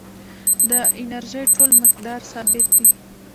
د انرژۍ ټول مقدار ثابت وي.